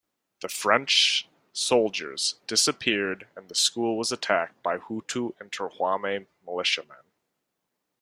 The French soldiers disappeared and the school was attacked by Hutu Interahamwe militiamen.